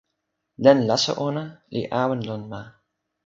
len laso ona li awen lon ma.